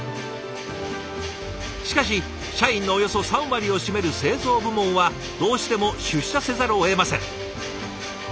しかし社員のおよそ３割を占める製造部門はどうしても出社せざるをえません。